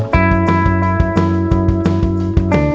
sayang jangan gitu doang